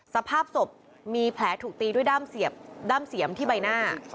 สภาพศพมีแผลถูกตีด้วยด้ามเสียบด้ามเสียมที่ใบหน้า